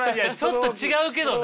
ちょっと違うけどな。